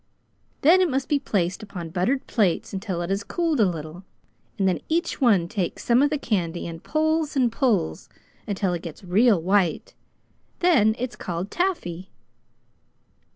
"Then it must be placed upon buttered plates until it has cooled a little, and then each one takes some of the candy and pulls and pulls until it gets real white. Then it is called 'Taffy'."